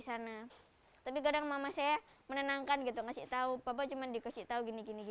sana tapi kadang mama saya menenangkan gitu ngasih tahu papa cuman dikasih tahu gini gini